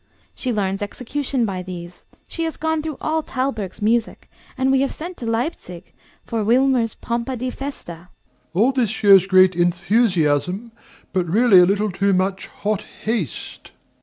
She learns execution by these. She has gone through all Thalberg's music; and we have sent to Leipzig for Willmer's "Pompa di Festa." DOMINIE. All this shows great enthusiasm, but really a little too much hot haste.